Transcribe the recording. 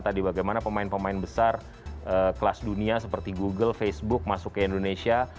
tadi bagaimana pemain pemain besar kelas dunia seperti google facebook masuk ke indonesia